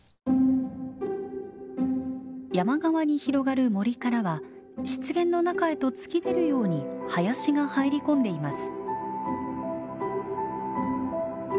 山側に広がる森からは湿原の中へと突き出るように林が入り込んでいます。